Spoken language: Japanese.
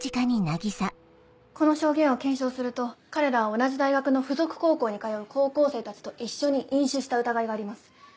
この証言を検証すると彼らは同じ大学の附属高校に通う高校生たちと一緒に飲酒した疑いがあります。